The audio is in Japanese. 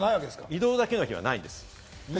移動だけの日はないです。